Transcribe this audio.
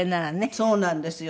そうなんですよ。